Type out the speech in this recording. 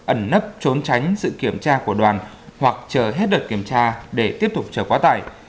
ẩn nấp trốn tránh sự kiểm tra của đoàn hoặc chờ hết đợt kiểm tra để tiếp tục chở quá tải